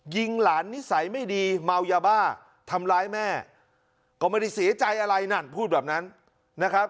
ยิงหลานนิสัยไม่ดีเมายาบ้าทำร้ายแม่ก็ไม่ได้เสียใจอะไรนั่นพูดแบบนั้นนะครับ